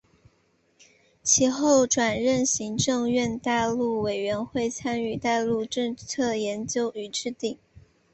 其后转任行政院大陆委员会参与大陆政策研究与制定。